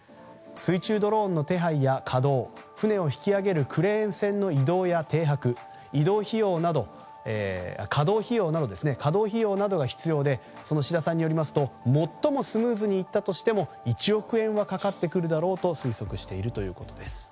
水中ドローンの手配や稼働船を引き揚げるクレーン船の移動や停泊稼働費用などが必要で信太さんによりますと最もスムーズにいったとしても１億円はかかってくるだろうと推測しているということです。